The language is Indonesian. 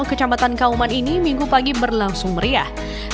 kecamatan kauman ini minggu pagi berlangsung meriah